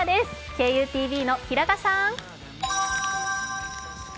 ＫＵＴＶの平賀さん。